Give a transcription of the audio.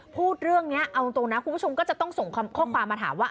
พูดเรื่องนี้เอาตรงนะคุณผู้ชมก็จะต้องส่งข้อความมาถามว่า